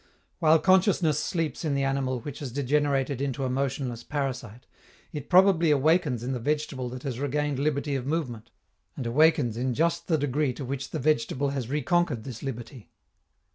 While consciousness sleeps in the animal which has degenerated into a motionless parasite, it probably awakens in the vegetable that has regained liberty of movement, and awakens in just the degree to which the vegetable has reconquered this liberty.